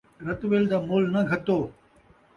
رتول دا مُل ناں گھتو